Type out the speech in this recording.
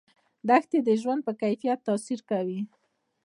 دښتې د ژوند په کیفیت تاثیر کوي.